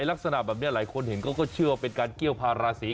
ลักษณะแบบนี้หลายคนเห็นเขาก็เชื่อว่าเป็นการเกี้ยวพาราศี